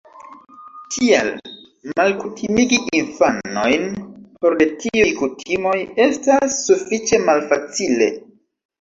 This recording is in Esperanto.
Tial, malkutimigi infanojn for de tiuj kutimoj estas sufiĉe malfacile.